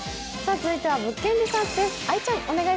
続いては「物件リサーチ」です。